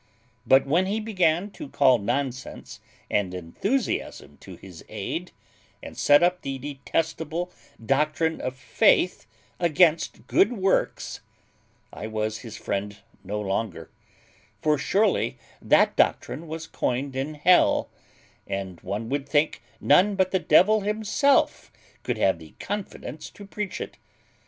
But when he began to call nonsense and enthusiasm to his aid, and set up the detestable doctrine of faith against good works, I was his friend no longer; for surely that doctrine was coined in hell; and one would think none but the devil himself could have the confidence to preach it.